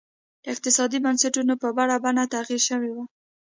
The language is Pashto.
اقتصادي بنسټونه په بله بڼه تغیر شوي وو.